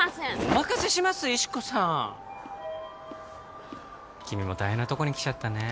お任せします石子さん君も大変なとこに来ちゃったね